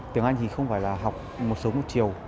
tiếng anh thì không phải là học một sớm một chiều